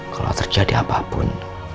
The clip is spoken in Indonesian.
kalo terjadi apapun